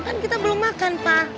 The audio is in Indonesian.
kan kita belum makan pak